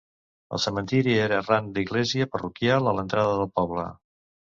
El cementiri era ran de l'església parroquial, a l'entrada del poble.